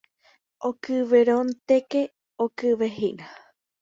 Okyvérõnteke okyvehína.